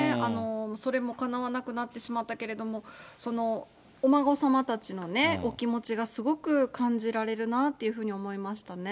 それもかなわなくなってしまったけど、お孫様たちのお気持ちが、すごく感じられるなっていうふうに思いましたね。